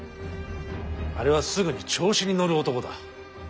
あれはすぐに調子に乗る男だ。